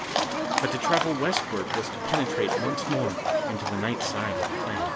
But to travel westward was to penetrate once more into the night side of the planet.